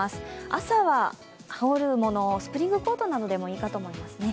朝は羽織るもの、スプリングコートでもいいかもしれませんね。